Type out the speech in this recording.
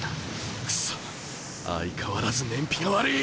クソ相変わらず燃費が悪い！